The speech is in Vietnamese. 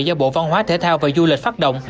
do bộ văn hóa thể thao và du lịch phát động